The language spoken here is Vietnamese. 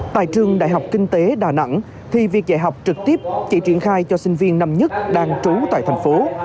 tại trường đại học kinh tế đà nẵng thì việc dạy học trực tiếp chỉ triển khai cho sinh viên năm nhất đang trú tại thành phố